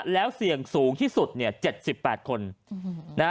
แล้วเสี่ยงสูงที่สุด๗๘คน